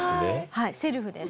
はいセルフです。